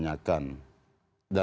tidak ada yang menanyakan